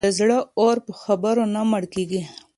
د زړه اور په خبرو نه مړ کېږي.